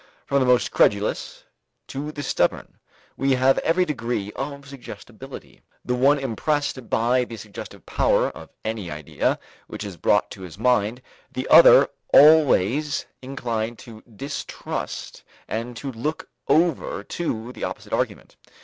From the most credulous to the stubborn, we have every degree of suggestibility, the one impressed by the suggestive power of any idea which is brought to his mind, the other always inclined to distrust and to look over to the opposite argument.